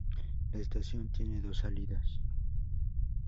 La estación tiene dos salidas.